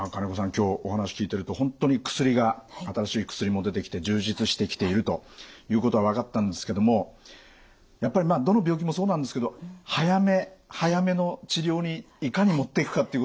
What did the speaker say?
今日お話聞いてると本当に薬が新しい薬も出てきて充実してきているということは分かったんですけどもやっぱりまあどの病気もそうなんですけど早め早めの治療にいかにもっていくかっていうことが大事ですね。